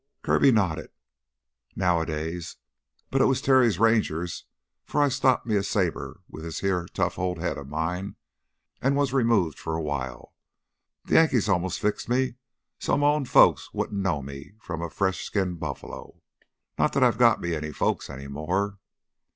Kirby nodded. "Nowadays, but it was Terry's Rangers 'fore I stopped me a saber with this heah tough old head of mine an' was removed for a while. That Yankee almost fixed me so m' own folks wouldn't know me from a fresh skinned buffala not that I got me any folks any more."